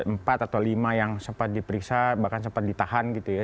empat atau lima yang sempat diperiksa bahkan sempat ditahan gitu ya